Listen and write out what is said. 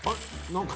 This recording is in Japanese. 何か。